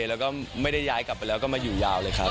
แล้วก็ไม่ได้ย้ายกลับไปแล้วก็มาอยู่ยาวเลยครับ